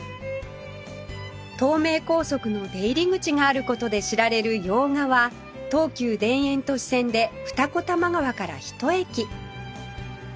東名高速の出入り口がある事で知られる用賀は東急田園都市線で二子玉川から１駅